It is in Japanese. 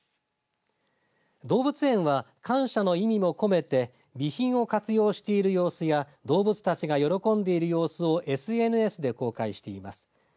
動物園は、感謝の意味も込めて備品を活用している様子や動物たちが喜んでいる様子をＳＮＳで公開しています。